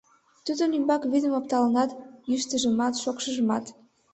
Тудын ӱмбак вӱдым опталыныт, йӱштыжымат, шокшыжымат.